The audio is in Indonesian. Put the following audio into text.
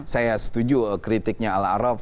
saya setuju kritiknya al araf